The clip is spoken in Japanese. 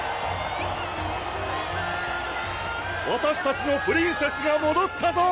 わたしたちのプリンセスがもどったぞ！